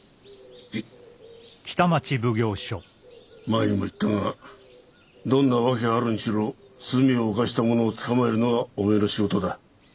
前にも言ったがどんな訳があるにしろ罪を犯した者を捕まえるのがおめえの仕事だ。